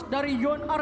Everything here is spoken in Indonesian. dan yang lain